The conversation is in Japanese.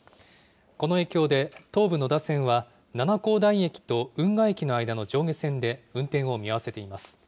この影響で、東武野田線は七光台駅と運河駅の間の上下線で運転を見合わせています。